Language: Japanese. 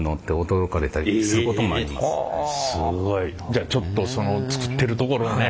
じゃあちょっとその作ってるところをね